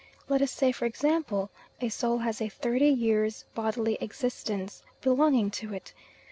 Let us say, for example, a soul has a thirty years' bodily existence belonging to it.